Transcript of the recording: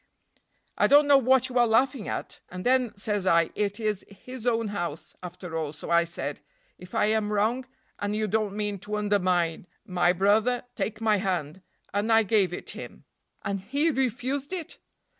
"I don't know what you are laughing at; and then, says I, it is his own house, after all, so I said, 'If I am wrong, and you don't mean to undermine my brother, take my hand;' and I gave it him." "And he refused it?"